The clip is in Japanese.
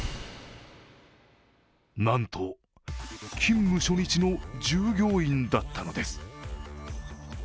なんと勤務初日の従業員だったのです。